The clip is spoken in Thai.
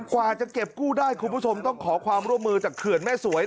กว่าจะเก็บกู้ได้คุณผู้ชมต้องขอความร่วมมือจากเขื่อนแม่สวย